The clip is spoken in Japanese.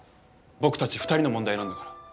僕たち２人の問題なんだから。